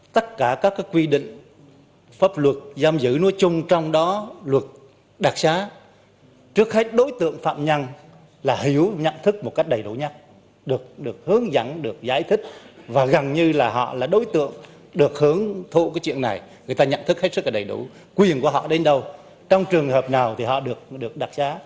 tất cả các quy định pháp luật giam giữ nối chung trong đó luật đặc xá trước hết đối tượng phạm nhân là hiểu nhận thức một cách đầy đủ nhất được hướng dẫn được giải thích và gần như là họ là đối tượng được hướng thụ cái chuyện này người ta nhận thức hết sức đầy đủ quyền của họ đến đâu trong trường hợp nào thì họ được đặc xá